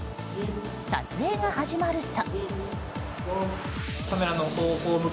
撮影が始まると。